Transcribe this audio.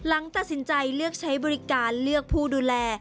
หลังตัดสินใจเลือกใช้บริการเลือกผู้ดูแล